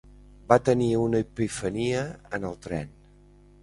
Va tenir una epifania en el tren.